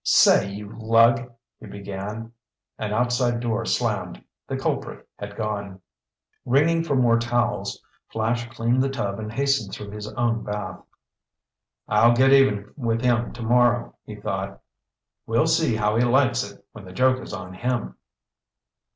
"Say, you lug—" he began. An outside door slammed. The culprit had gone. Ringing for more towels, Flash cleaned the tub and hastened through his own bath. "I'll get even with him tomorrow," he thought. "We'll see how he likes it when the joke is on him."